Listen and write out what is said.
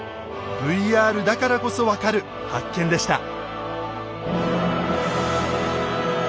ＶＲだからこそ分かる発見でした。